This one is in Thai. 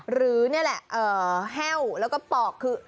หรือนี่แหละแห้วแล้วก็ปอกคือ